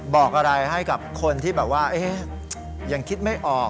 บอกอะไรให้กับคนที่แบบว่ายังคิดไม่ออก